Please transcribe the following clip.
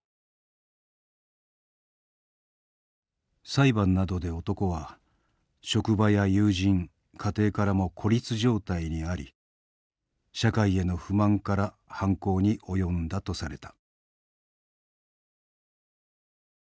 裁判などで男は職場や友人家庭からも孤立状態にあり社会への不満から犯行に及んだとされた。